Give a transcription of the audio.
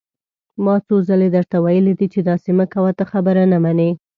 ما څو ځله درته ويلي دي چې داسې مه کوه، ته خبره نه منې!